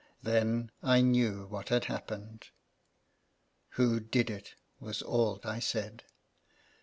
Then I knew what had happened. 'tWho did it?" was all I said.